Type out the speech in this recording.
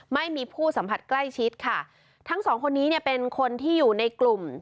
ไม่มีผู้สัมผัสใกล้ชิดค่ะทั้งสองคนนี้เนี่ยเป็นคนที่อยู่ในกลุ่ม